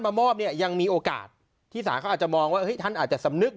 มามอบเนี่ยยังมีโอกาสที่ศาลเขาอาจจะมองว่าท่านอาจจะสำนึก